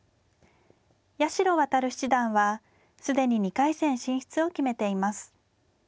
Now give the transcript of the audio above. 八代弥七段は既に２回戦進出を決めています。